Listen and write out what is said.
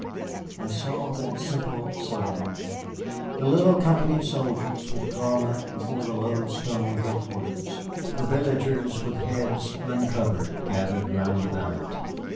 I saw that simple ceremony. The little company of soldiers was drawn up before the low stone headquarters, the villagers with heads uncovered gathered round about.